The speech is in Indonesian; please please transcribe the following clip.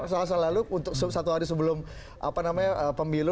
selasa lalu satu hari sebelum pemilu